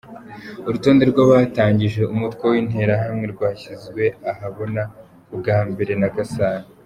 Urutonde rw’abatangije umutwe w’Interahamwe rwashyizwe ahabona bwa mbere na Gasana.